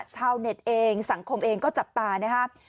ชาวเน็ตเองสังคมเองก็จับตานะครับ